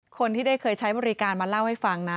คนที่ได้เคยใช้บริการมาเล่าให้ฟังนะ